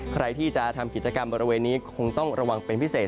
ใครที่จะทำกิจกรรมบริเวณนี้คงต้องระวังเป็นพิเศษ